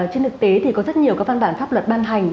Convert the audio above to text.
trên thực tế thì có rất nhiều các văn bản pháp luật ban hành